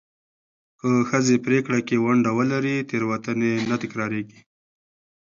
که ښځې پرېکړه کې ونډه ولري، تېروتنې نه تکرارېږي.